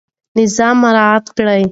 نظم مراعات کړئ.